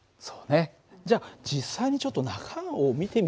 じゃ実際にちょっと中を見てみようか。